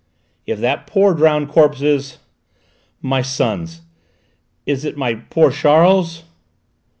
"If that poor drowned corpse is my son's: is my poor Charles!"